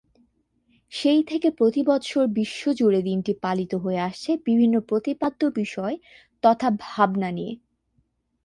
সেই থেকে প্রতি বৎসর বিশ্ব জুড়ে দিনটি পালিত হয়ে আসছে বিভিন্ন প্রতিপাদ্য বিষয় তথা ভাবনা নিয়ে।